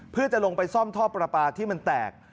เพื่อจะลงไปซ่อมท่อประปาที่มันแตก